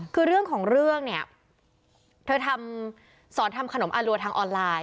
คือเรื่องของเรื่องเนี่ยเธอทำสอนทำขนมอารัวทางออนไลน์